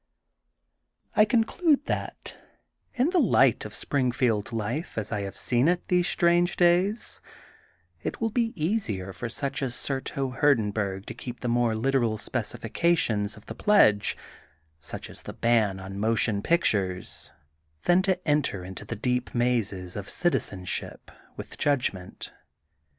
I conclude that, in the light of Springfield life as I have seen it these strange days, it will be easier for such as Surto Hurdenburg to keep the more literal specifications of the pledge, such as the ban on motion pictures, than to enter into the deep mazes of citizen ship with judgment.